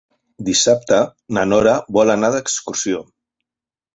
Dissabte na Nora vol anar d'excursió.